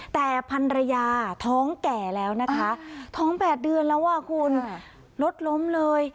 แต่พันรยาท้องแก่แล้วนะคะท้อง๘เดือนแล้วอ่ะคุณรถล้มเลย